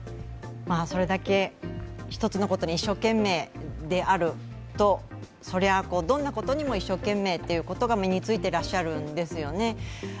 それだけ一つのことに一生懸命であると、どんなことにも一生懸命ということが身についていらっしゃるんですよね。